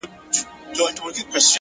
مسافرۍ كي يك تنها پرېږدې،